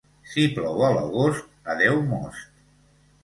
Si plou a l'agost, adeu most.